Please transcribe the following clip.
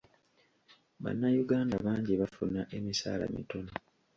Bannayuganda bangi bafuna emisaala mitono.